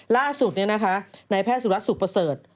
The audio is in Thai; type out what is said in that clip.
ล่าสุดนี้นะคะนายแพทย์สุรัสตร์สุขประเสริฐ